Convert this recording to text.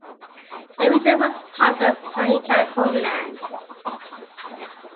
The region was part of the Mahican homeland.